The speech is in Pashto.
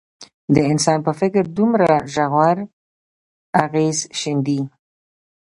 د انسان په فکر دومره ژور اغېز ښندي.